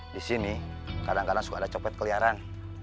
di sini kadang kadang suka ada copet keliaran